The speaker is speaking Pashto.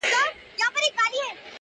زما هغـه ســـترگو ته ودريـــږي~